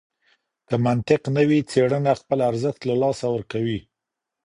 که منطق نه وي څېړنه خپل ارزښت له لاسه ورکوي.